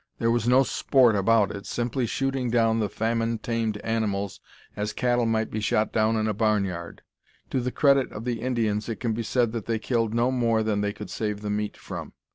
There was no sport about it, simply shooting down the famine tamed animals as cattle might be shot down in a barn yard. To the credit of the Indians it can be said that they killed no more than they could save the meat from.